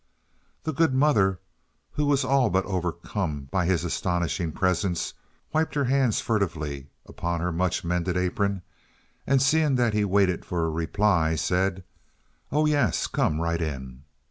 The good mother, who was all but overcome by his astonishing presence, wiped her hands furtively upon her much mended apron, and, seeing that he waited for a reply, said: "Oh yes. Come right in."